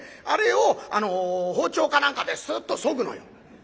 あれを包丁か何かでスッとそぐのよ。